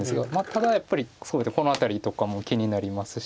ただやっぱりこの辺りとかも気になりますし。